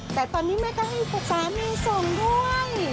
แต่ตอนนี้แม่ก็ให้ฟ้าแม่ส่งด้วย